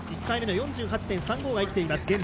１回目の４８．３５が生きています。